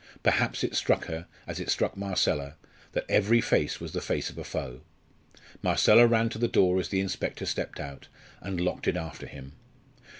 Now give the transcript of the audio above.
Perhaps it struck her, as it struck Marcella, that every face was the face of a foe. Marcella ran to the door as the inspector stepped out, and locked it after him.